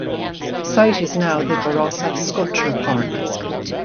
The site is now the Barossa Sculpture Park.